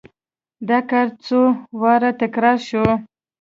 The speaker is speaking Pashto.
دا کار څو وارې تکرار شو.